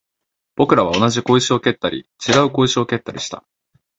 僕らは同じ小石を蹴ったり、違う小石を蹴ったりした